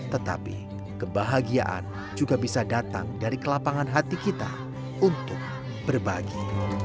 tetapi kebahagiaan juga bisa datang dari kelapangan hati kita untuk berbagi